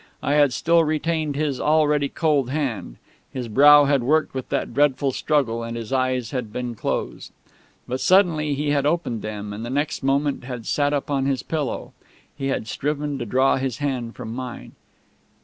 I had still retained his already cold hand; his brow had worked with that dreadful struggle; and his eyes had been closed. But suddenly he had opened them, and the next moment had sat up on his pillow. He had striven to draw his hand from mine.